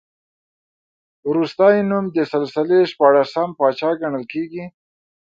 وروستی نوم د سلسلې شپاړسم پاچا ګڼل کېږي.